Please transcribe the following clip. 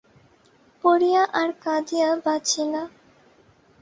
পড়িয়া আর কাঁদিয়া বাঁচি না।